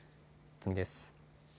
次です。